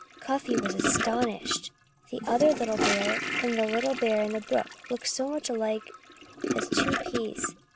Cuffy was astonished. The other little bear and the little bear in the brook looked as much alike as two peas.